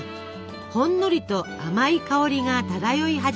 ほんのりと甘い香りが漂い始めます。